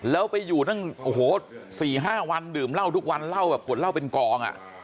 แล้วไปอยู่ตั้งโอ้โห๔๕วันดื่มเหล้าทุกวันเหล้าแบบขวดเหล้าเป็นกอง